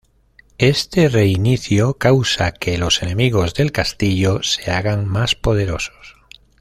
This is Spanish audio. Este reinicio causa que los enemigos del castillo se hagan más poderosos.